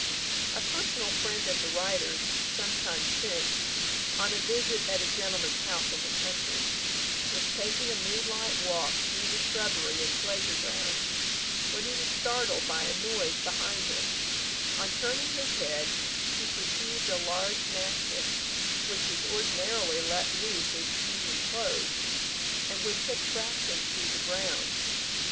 A personal friend of the writer's, some time since, on a visit at a gentleman's house in the country, was taking a moonlight walk through the shrubbery and pleasure grounds, when he was startled by a noise behind him; on turning his head, he perceived a large mastiff, which was ordinarily let loose as evening closed, and which had tracked him through the grounds.